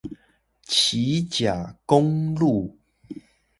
旗甲公路